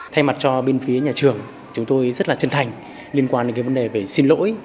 thay mặt cho bên phía nhà trường chúng tôi rất là chân thành liên quan đến cái vấn đề về xin lỗi